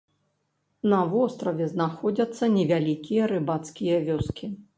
На востраве знаходзяцца невялікія рыбацкія вёскі.